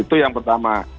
itu yang pertama